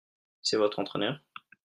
C'est votre entraineur ?